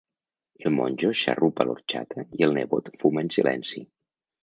El monjo xarrupa l'orxata i el nebot fuma en silenci.